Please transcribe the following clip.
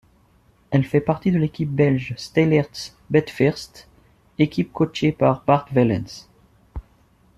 Elle fait partie de l'équipe belge Steylaerts-Betfirst, équipe coachée par Bart Wellens.